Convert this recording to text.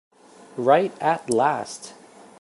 Right at last!